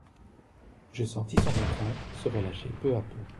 Je sentis son étreinte se relâcher peu à peu.